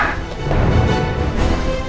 kau udah gila ya